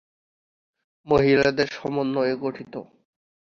মহিলাদের সমন্বয়ে গঠিত।